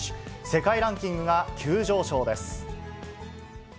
世界ランキングが急上昇です。